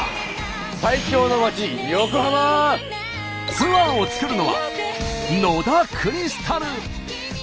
ツアーを作るのは野田クリスタル。